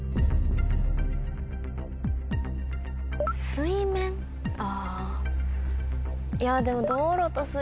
「水面」あ。